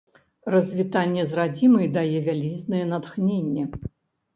Развітанне з радзімай дае вялізнае натхненне.